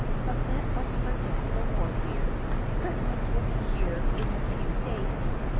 But let us forget the war, dear. Christmas will be here in a few days.